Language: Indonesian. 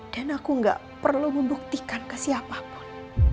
dan aku gak perlu membuktikan ke siapapun